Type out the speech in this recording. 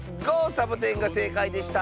サボテン」がせいかいでした。